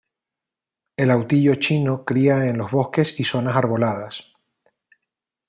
El autillo chino cría en los bosques y zonas arboladas.